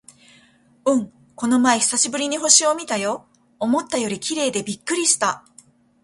うん、この前久しぶりに星を見たよ。思ったより綺麗でびっくりした！